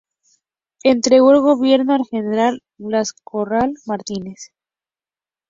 Entregó el Gobierno al general Blas Corral Martínez.